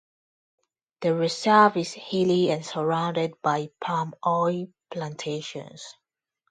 The reserve is hilly and surrounded by palm oil plantations.